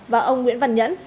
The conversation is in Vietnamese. và ông nguyễn văn nhẫn